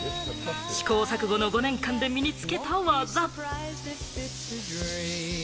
試行錯誤の５年間で身につけた技。